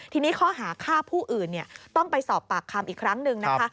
ทีนี้ข้อหาฆ่าผู้อื่นต้องไปสอบปากคำอีกครั้งหนึ่งนะคะ